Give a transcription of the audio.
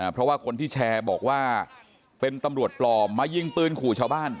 เพราะว่าคนที่แชร์บอกว่าเป็นตำรวจปลอมมายิงปืนขู่ชาวบ้าน